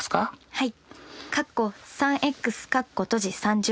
はい。